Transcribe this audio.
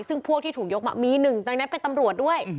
ซึ่งพวกที่ถูกยกมามีหนึ่งในนั้นเป็นตำรวจด้วย